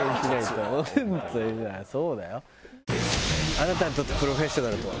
「あなたにとってプロフェッショナルとは？」。